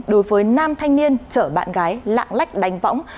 đối với nam thanh niên chở bạn gái lạng lách đánh võng